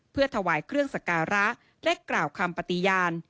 เพื่อถวายเครื่องสการะและกล่าวคำปฏิญาณ